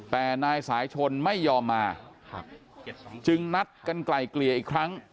แต่นายสายชนไม่ยอมมาจึงนัดกันไกลเกลี่ยอีกครั้ง